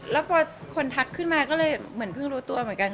แล้วพอคนทักขึ้นมาก็เลยเหมือนเพิ่งรู้ตัวเหมือนกัน